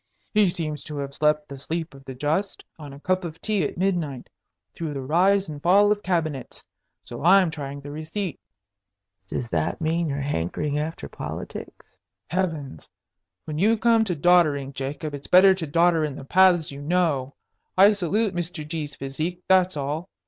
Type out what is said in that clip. "He seems to have slept the sleep of the just on a cup of tea at midnight through the rise and fall of cabinets. So I'm trying the receipt." "Does that mean that you are hankering after politics?" "Heavens! When you come to doddering, Jacob, it's better to dodder in the paths you know. I salute Mr. G.'s physique, that's all.